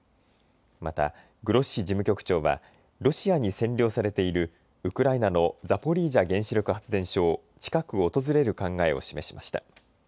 またグロッシ事務局長はロシアに占領されているウクライナのザポリージャ原子力発電所を近く訪れる考えを示しました。